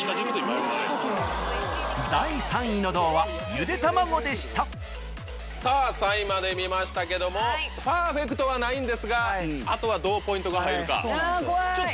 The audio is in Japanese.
第３位の銅はゆで卵でしたさぁ３位まで見ましたけどもパーフェクトはないんですがあとはどうポイントが入るか。